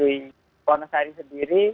di pasar agus harwi sendiri